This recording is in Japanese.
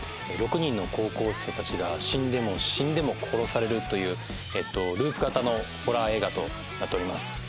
６人の高校生たちが死んでも死んでも殺されるというループ型のホラー映画となっております。